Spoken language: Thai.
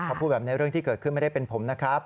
เขาพูดแบบนี้เรื่องที่เกิดขึ้นไม่ได้เป็นผมนะครับ